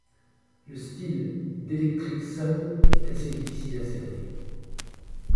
Le style d'Electric Sun est assez difficile à cerner.